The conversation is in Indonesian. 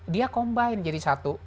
dia combine jadi satu